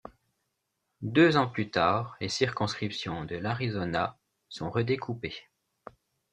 Deux ans plus tard, les circonscriptions de l'Arizona sont redécoupées.